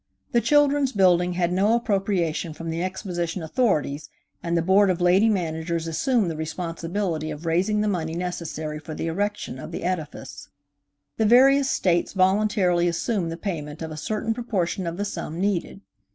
The Children's Building had no appropriation from the Exposition authorities and the Board of Lady Managers assumed the responsibility of raising the money necessary for the erection of the edifice. The various states voluntarily assumed the payment of a certain proportion of the sum needed.